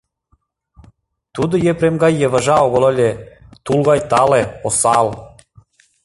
Тудо Епрем гай йывыжа огыл ыле, тул гай тале, осал.